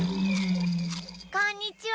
こんにちは。